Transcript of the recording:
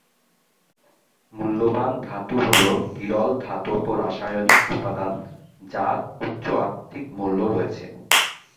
মূল্যবান ধাতু হল বিরল ধাতব রাসায়নিক উপাদান, যার উচ্চ আর্থিক মূল্য রয়েছে।